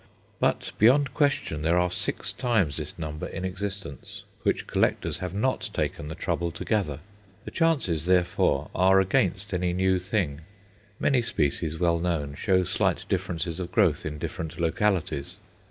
But beyond question there are six times this number in existence, which collectors have not taken the trouble to gather. The chances, therefore, are against any new thing. Many species well known show slight differences of growth in different localities.